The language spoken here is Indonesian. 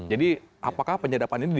jadi apakah penyadapan itu berhasil